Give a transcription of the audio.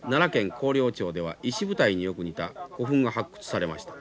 広陵町では石舞台によく似た古墳が発掘されました。